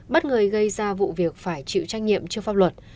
bắt người gây ra vụ việc phải chịu trách nhiệm trước pháp luật